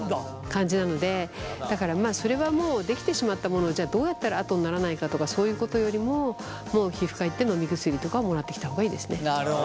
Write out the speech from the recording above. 感じなのでだからそれはもうできてしまったものをじゃあどうやったら跡にならないかとかそういうことよりももう皮膚科行って飲み薬とかをもらってきた方がいいですね。